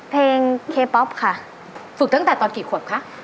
เพลงเคป๊อปค่ะฝึกตั้งแต่ตอนกี่ขวบคะ